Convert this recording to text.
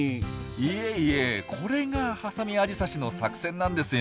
いえいえこれがハサミアジサシの作戦なんですよ。